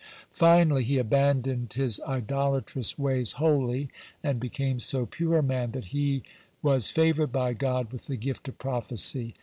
Finally he abandoned his idolatrous ways wholly, and became so pure a man that the was favored by God with the gift of prophecy.